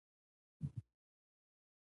ایا زه باید راډیو ته لاړ شم؟